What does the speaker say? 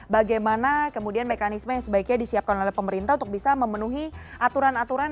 bagaimana kemudian mekanisme yang sebaiknya disiapkan oleh pemerintah untuk bisa memenuhi aturan aturan